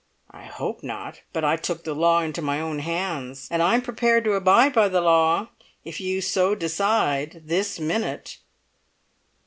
I hope not, but I took the law into my own hands, and I I am prepared to abide by the law if you so decide this minute."